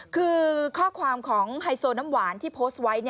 คือข้อความของไฮโซน้ำหวานที่โพสต์ไว้